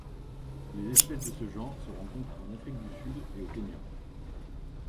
Les espèces de ce genre se rencontrent en Afrique du Sud et au Kenya.